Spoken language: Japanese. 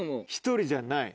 １人じゃない。